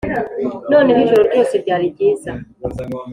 noneho ijoro ryose, ryari ryiza